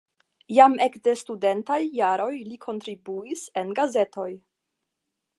Jam ekde la studentaj jaroj li kontribuis en gazetoj.